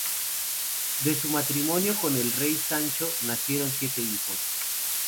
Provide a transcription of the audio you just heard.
De su matrimonio con el rey Sancho, nacieron siete hijos.